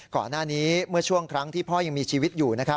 ก่อนหน้านี้เมื่อช่วงครั้งที่พ่อยังมีชีวิตอยู่นะครับ